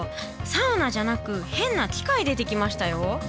サウナじゃなく変な機械出てきましたよ。